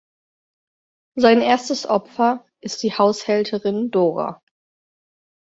Sein erstes Opfer ist die Haushälterin Dora.